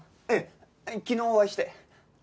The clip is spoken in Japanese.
ええ昨日お会いして。